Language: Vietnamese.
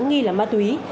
nghi là ma túy